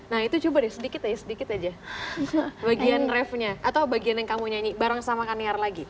nah itu coba deh sedikit aja sedikit aja bagian refnya atau bagian yang kamu nyanyi bareng sama kaniar lagi